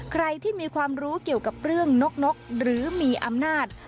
ใครที่มีความรู้เกี่ยวกับเรื่องนกหรือมีอำนาจ